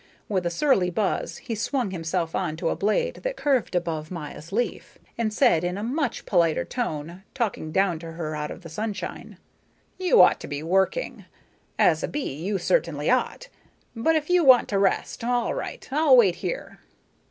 With a surly buzz he swung himself on to a blade that curved above Maya's leaf, and said in a much politer tone, talking down to her out of the sunshine: "You ought to be working. As a bee you certainly ought. But if you want to rest, all right. I'll wait here."